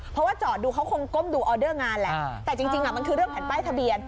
เพราะว่าจอดดูเขาคงก้มดูออเดอร์งานแหละแต่จริงมันคือเรื่องแผ่นป้ายทะเบียน